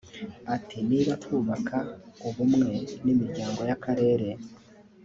Ati “…Niba twubaka ubumwe n’imiryango y’akarere